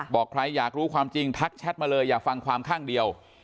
บอกใครอยากรู้ความจริงทักแชทมาเลยอย่าฟังความข้างเดียว